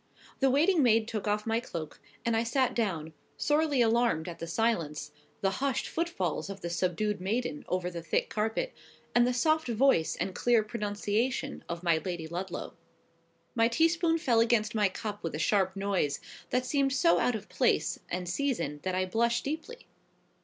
The waiting maid took off my cloak, and I sat down, sorely alarmed at the silence, the hushed foot falls of the subdued maiden over the thick carpet, and the soft voice and clear pronunciation of my Lady Ludlow. My teaspoon fell against my cup with a sharp noise, that seemed so out of place and season that I blushed deeply.